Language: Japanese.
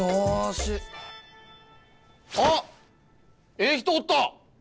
ええ人おった！